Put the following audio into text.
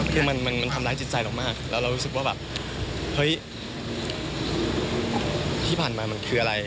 คือมันทำร้ายจิตใจเรามากแล้วเรารู้สึกว่าแบบเฮ้ยที่ผ่านมามันคืออะไร